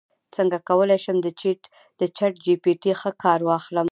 څنګه کولی شم د چیټ جی پي ټي ښه کار واخلم